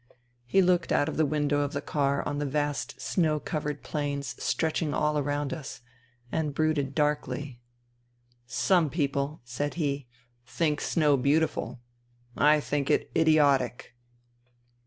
He looked out of the window of the car on the vast snow covered plains stretching all around us and brooded darkly. " Some people," said he, " think snow beautiful. I think it idiotic."